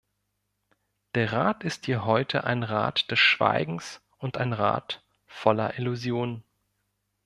Der Rat ist hier heute ein Rat des Schweigens und ein Rat voller Illusionen.